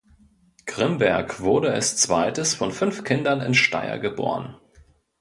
Grimberg wurde als zweites von fünf Kindern in Steyr geboren.